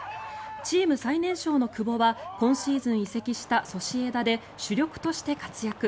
チーム最年少の久保は今シーズン移籍したソシエダで主力として活躍。